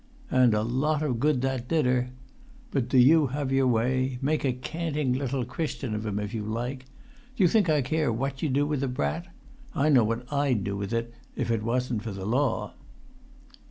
"And a lot of good that did her ... but do you have your way. Make a canting little Christian of him if you like. Do you think I care what you do with the brat? I know what I'd do with it, if that wasn't for the law!"